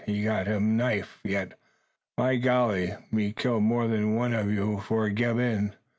He got him knife yet. By golly! me kill more than one ob you 'fore gib in.